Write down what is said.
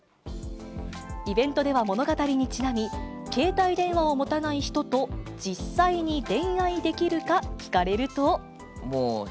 イベントでは物語にちなみ、携帯電話を持たない人と実際に恋愛できるか聞かれると。